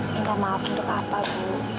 minta maaf untuk apa bu